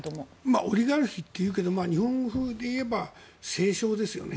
オリガルヒっていうけど日本風でいえば政商ですよね。